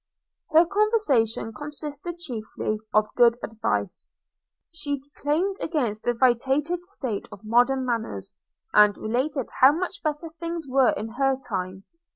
Her conversation consisted chiefly of good advice. She declaimed against the vitiated state of modern manners, and related how much better things were in her time.